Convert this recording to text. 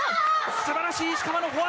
素晴らしい石川のフォア。